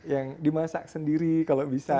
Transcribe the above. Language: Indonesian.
yang dimasak sendiri kalau bisa